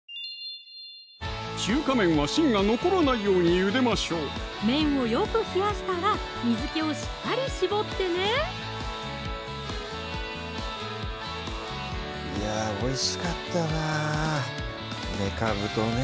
中華麺は芯が残らないようにゆでましょう麺をよく冷やしたら水気をしっかり絞ってねいやぁおいしかったなめかぶとね